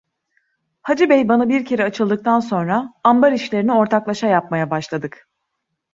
Hacı Bey bana bir kere açıldıktan sonra, ambar işlerini ortaklaşa yapmaya başladık.